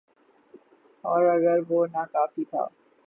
اوراگر وہ ناکافی تھا۔